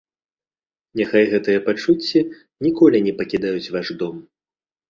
Няхай гэтыя пачуцці ніколі не пакідаюць ваш дом.